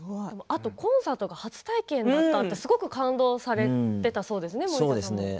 あと、コンサート初体験だったってすごく感動されてたそうですね森田さん。